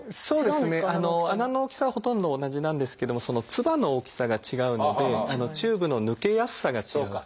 そうですね穴の大きさはほとんど同じなんですけどもそのつばの大きさが違うのでチューブの抜けやすさが違う。